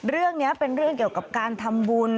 เรื่องนี้เป็นเรื่องเกี่ยวกับการทำบุญ